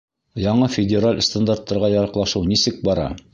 — Яңы федераль стандарттарға яраҡлашыу нисек бара?